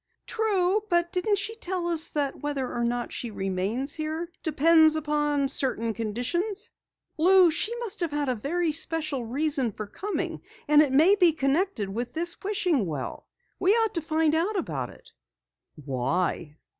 "True, but didn't she tell us that whether or not she remains here depends upon certain conditions? Lou, she must have had a very special reason for coming, and it may be connected with this wishing well! We ought to find out about it!" "Why?"